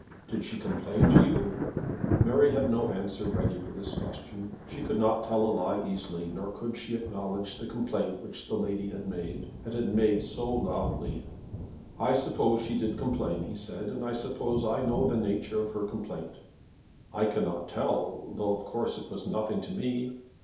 "Did she complain to you?" Mary had no answer ready for this question. She could not tell a lie easily, nor could she acknowledge the complaint which the lady had made, and had made so loudly. "I suppose she did complain," he said, "and I suppose I know the nature of her complaint." "I cannot tell; though, of course, it was nothing to me."